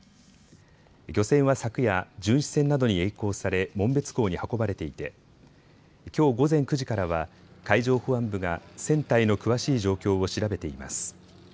漁船は昨夜、巡視船などにえい航され紋別港に運ばれていてきょう午前９時からは海上保安部が船体の詳しい状況を調べています。